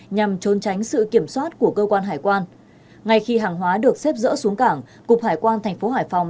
nhằm trốn tránh sự kiểm soát của cơ quan hải quan ngay khi hàng hóa được xếp dỡ xuống cảng cục hải quan thành phố hải phòng